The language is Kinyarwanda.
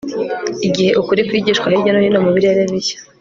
Igihe ukuri kwigishwa hirya no hino mu birere bishya